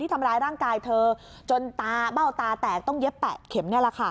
ทำร้ายร่างกายเธอจนตาเบ้าตาแตกต้องเย็บ๘เข็มนี่แหละค่ะ